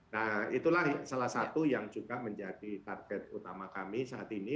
nah itulah salah satu yang juga menjadi target utama kami saat ini